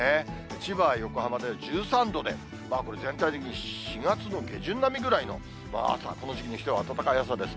千葉、横浜では１３度で、全体的に４月の下旬並みぐらいの、朝、この時期にしては暖かい朝です。